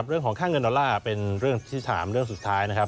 เรื่องของค่าเงินดอลลาร์เป็นเรื่องที่ถามเรื่องสุดท้ายนะครับ